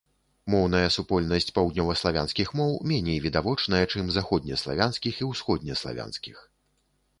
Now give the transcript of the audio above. Моўная супольнасць паўднёваславянскіх моў меней відавочная, чым заходнеславянскіх і ўсходнеславянскіх.